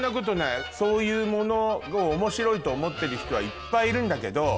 そういうものを面白いと思ってる人はいっぱいいるんだけど。